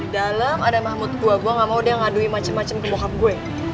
dalem ada mamut tua gua gak mau dia ngadui macam macem ke bokap gua